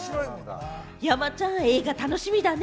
山ちゃん、映画楽しみだね。